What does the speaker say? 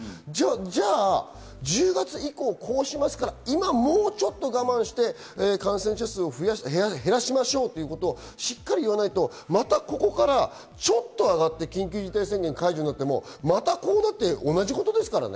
１０月以降こうしますから、今、もうちょっと我慢して感染者数を減らしましょうというのをしっかりいわないとまたここからちょっと上がって緊急事態宣言の解除になっても、またこうなって同じことですからね。